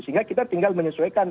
sehingga kita tinggal menyesuaikan